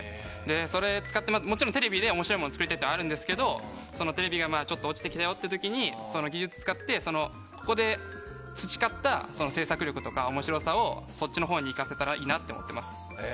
それ使ってテレビで面白いものを作りたいというのはあるんですけどテレビが落ちてきたよっていう時にその技術を使ってここで培った制作力とか面白さをそっちのほうに生かせたらいいなと思っています。